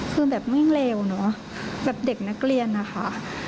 คือแบบวิ่งเลวเนอะแบบเด็กนักเรียนนะคะ